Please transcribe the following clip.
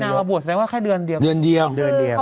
แล้วมีนาวบวชไหมว่าแค่เดือนเดียวเดือนเดียว